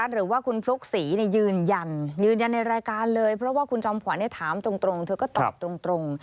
ให้แม่หนูมาก่อน